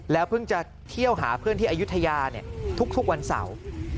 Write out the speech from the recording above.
เพิ่งจะเที่ยวหาเพื่อนที่อายุทยาทุกวันเสาร์